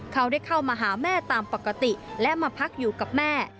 เขาได้เข้ามาหาแม่ตามปกติและมาพักอยู่กับแม่